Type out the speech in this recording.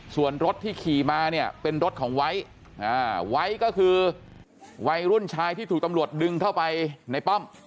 ส่วนรถที่ขี่มาเนี่ยเป็นรถของไวท์ไว้ไวท์ก็คือวัยรุ่นชายที่ถูกตำรวจดึงเข้าไปในป้อม